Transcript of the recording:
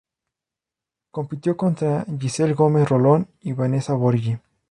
Compitió contra Giselle Gómez Rolón y Vanesa Borghi.